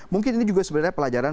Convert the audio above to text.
mungkin ini juga sebenarnya pelajaran